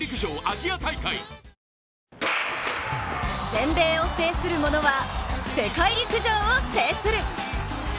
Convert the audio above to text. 全米を制するものは世界陸上を制する。